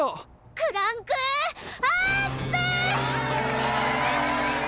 クランクアップ！